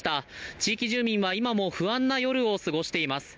地域住民は今も不安な夜を過ごしています。